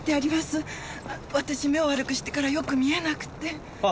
私目を悪くしてからよく見えなくて。